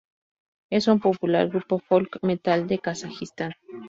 Es un popular grupo folk metal de Kazajistán.